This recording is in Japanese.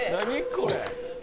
これ。